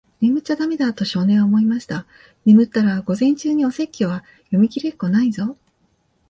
「眠っちゃだめだ。」と、少年は思いました。「眠ったら、午前中にお説教は読みきれっこないぞ。」